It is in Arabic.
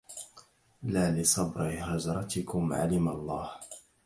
لا لصبر هجرتكم علم الله